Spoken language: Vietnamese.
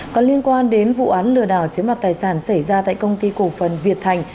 còn liên quan đến vụ án lừa đảo chiếm đoạt tài sản xảy ra tại công ty cổ phần việt thành